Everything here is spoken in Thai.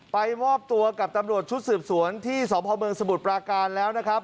มอบตัวกับตำรวจชุดสืบสวนที่สพเมืองสมุทรปราการแล้วนะครับ